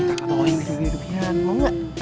kaka tau yang berbe be be an mau ga